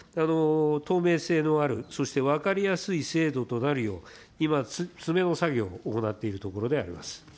透明性のある、そして分かりやすい制度となるよう、今、詰めの作業を行っているところであります。